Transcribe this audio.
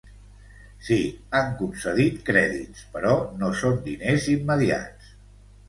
Sí, han concedit crèdits, però no són diners immediats.